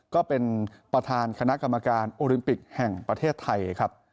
ก็เป็นประธานคณะกรรมการโอลิมปิกแห่งประเทศไทยครับ